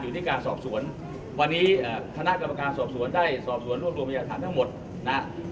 อยู่ที่การสอบสวนวันนี้คณะกรรมการสอบสวนได้สอบสวนรวบรวมพยาฐานทั้งหมดนะฮะ